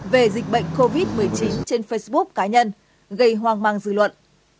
về dịch bệnh covid một mươi chín trên facebook cá nhân gây hoang mang dư luận